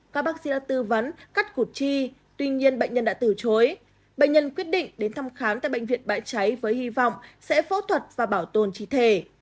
các bác sĩ tư vấn cắt cụt chi tuy nhiên bệnh nhân đã từ chối bệnh nhân quyết định đến thăm khám tại bệnh viện bãi cháy với hy vọng sẽ phẫu thuật và bảo tồn trí thể